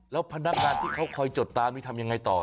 แล้วพนักงานที่เขาคอยจดตามนี่ทำยังไงต่อ